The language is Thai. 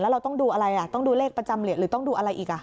เราต้องดูอะไรต้องดูเลขประจำเหรียญหรือต้องดูอะไรอีก